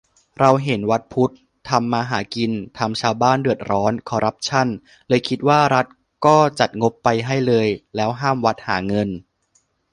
เราเห็นวัดพุทธทำมาหากิน ทำชาวบ้านเดือดร้อน คอรัปชั่น เลยคิดว่า รัฐก็จัดงบไปให้เลย แล้วห้ามวัดหาเงิน